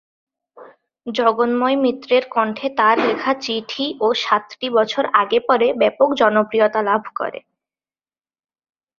জগন্ময় মিত্রের কণ্ঠে তার লেখা 'চিঠি' ও 'সাতটি বছর আগে পরে' ব্যাপক জনপ্রিয়তা লাভ করে।